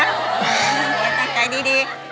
เอาต่างไก่ดี